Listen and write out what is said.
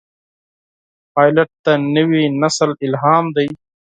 پیلوټ د نوي نسل الهام دی.